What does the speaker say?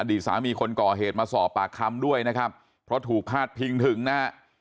ดีสามีคนก่อเหตุมาสอบปากคำด้วยนะครับเพราะถูกพาดพิงถึงนะฮะ